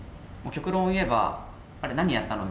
極論を言えば「あれ？何やったの？」